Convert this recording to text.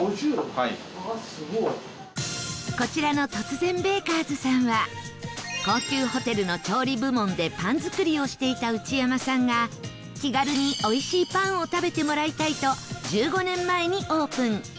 すごい！こちらのトツゼンベーカーズさんは高級ホテルの調理部門でパン作りをしていた内山さんが気軽に、おいしいパンを食べてもらいたいと１５年前にオープン